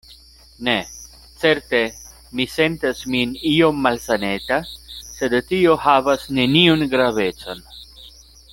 Ne; certe mi sentas min iom malsaneta; sed tio havas neniun gravecon.